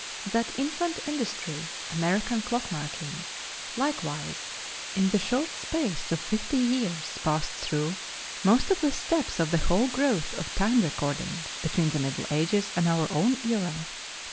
That "infant industry," American clock making, likewise, in the short space of fifty years passed through most of the steps of the whole growth of time recording between the Middle Ages and our own era.